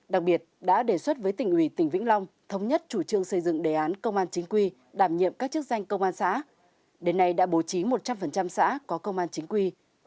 đặc biệt đã đề xuất với tỉnh ủy tỉnh vĩnh long thống nhất chủ trương xây dựng đề án công an chính quy đảm nhiệm các chức danh công an xã đến nay đã bố trí một trăm linh xã có công an chính quy